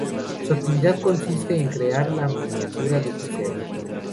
Su actividad consiste en crear la miniatura desde cero.